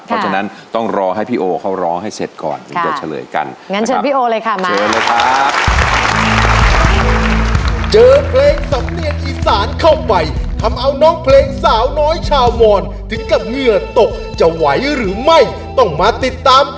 เพราะฉะนั้นต้องรอให้พี่โอเค้าร้องให้เสร็จก่อนแล้วจะเฉลยกัน